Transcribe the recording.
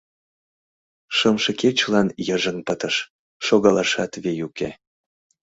Шымше кечылан йыжыҥ пытыш, шогалашат вий уке.